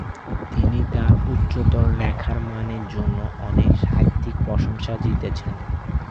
তিনি তার উচ্চতর লেখার মানের জন্য অনেক সাহিত্যিক প্রশংসা জিতেছেন।